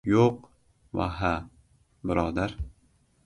• “Yo‘q” va “ha” ― birodar.